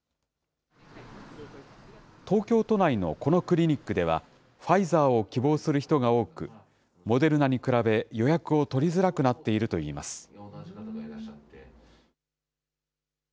東京都内のこのクリニックでは、ファイザーを希望する人が多く、モデルナに比べ、予約を取りづらくなっているといいます。